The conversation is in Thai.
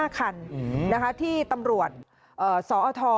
๕คันที่ตำรวจสอท